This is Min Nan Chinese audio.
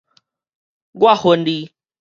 我恨你